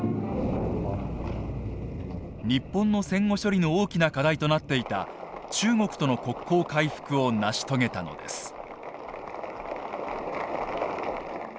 日本の戦後処理の大きな課題となっていた中国との国交回復を成し遂げたのです。